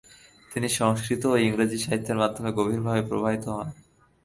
তিনি সংস্কৃত ও ইংরেজি সাহিত্যের মাধ্যমে গভীরভাবে প্রভাবিত হন।